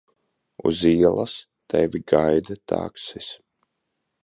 Uz ielas tevi gaida taksis.